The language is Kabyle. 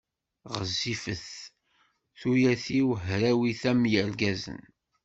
Ɣezzifeɣ, tuyat-iw hrawit am yirgazen.